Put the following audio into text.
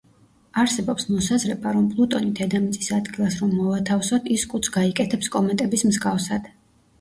არსებობს მოსაზრება, რომ პლუტონი დედამიწის ადგილას რომ მოვათავსოთ, ის კუდს გაიკეთებს კომეტების მსგავსად.